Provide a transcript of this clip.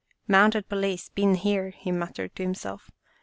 " Mounted police, been here," he muttered to himself.